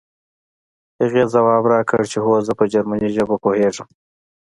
هغې ځواب راکړ چې هو زه په جرمني ژبه پوهېږم